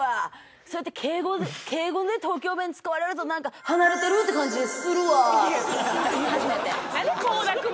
そうやって敬語で東京弁使われるとなんか離れてるって感じするわ」って言い始めて。